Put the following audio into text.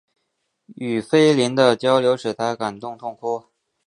与斐琳的交流使他感动痛哭。